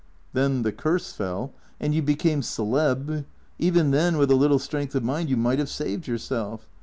" Then the curse fell, and jou became celeb Even then, with a little strength of mind, you might have saved yourself.